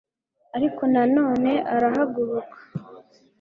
Ariko na none arahaguruka